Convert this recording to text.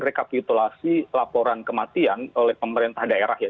rekapitulasi laporan kematian oleh pemerintah daerah ya